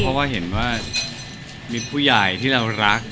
เพราะว่าเห็นว่ามีผู้ใหญ่ที่เรารัก